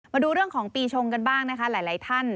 มาดูเรื่องของปีชงกันบ้างนะคะหลายท่าน